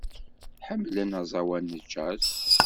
Ḥemmlen aẓawan n jazz.